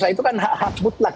itu kan hak hak mutlak